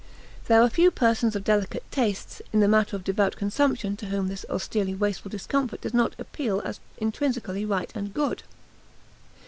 There are few persons of delicate tastes, in the matter of devout consumption to whom this austerely wasteful discomfort does not appeal as intrinsically right and good.